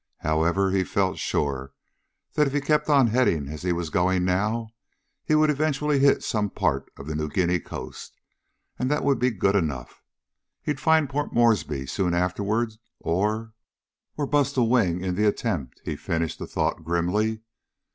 However, he felt sure that if he kept on heading as he was going now he would eventually hit some part of the New Guinea coast. And that would be good enough. He'd find Port Morseby soon afterward, or "Or bust a wing in the attempt!" he finished the thought grimly.